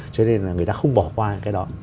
cho nên là người ta không bỏ qua cái đó